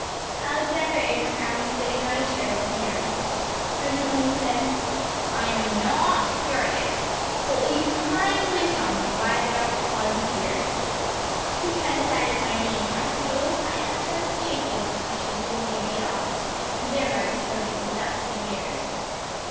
Alexander Abraham was sitting on a chair looking at me. Presently he said, “I am NOT curious but will you kindly tell me why the doctor called you Peter?‚ÄĚ “Because that is my name, I suppose,‚ÄĚ I answered, shaking up a cushion for William Adolphus and thereby disturbing the dust of years.